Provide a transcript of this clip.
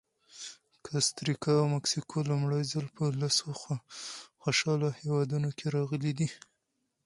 کاستریکا او مکسیکو لومړی ځل په لسو خوشحاله هېوادونو کې راغلي دي.